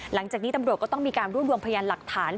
หลังจากนี้ตำรวจก็ต้องมีการรวบรวมพยานหลักฐาน